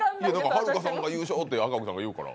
はるかちゃんが優勝って赤荻さんが言ってたから。